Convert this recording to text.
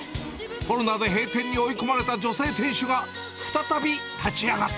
コロナで閉店に追い込まれた女性店主が、再び立ち上がった。